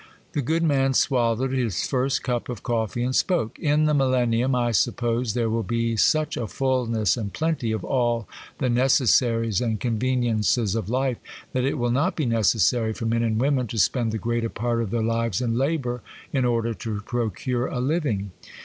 The good man swallowed his first cup of coffee and spoke:— 'In the Millennium, I suppose, there will be such a fulness and plenty of all the necessaries and conveniences of life, that it will not be necessary for men and women to spend the greater part of their lives in labour in order to procure a living.